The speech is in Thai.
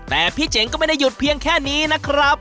แต่พี่เจ๋งก็ไม่ได้หยุดเพียงแค่นี้นะครับ